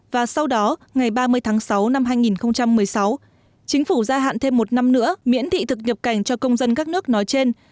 và sau đó ngày ba mươi tháng sáu năm hai nghìn một mươi sáu chính phủ gia hạn thêm một năm nữa miễn thị thực nhập cảnh cho công dân các nước nói trên